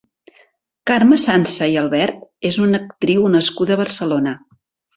Carme Sansa i Albert és una actriu nascuda a Barcelona.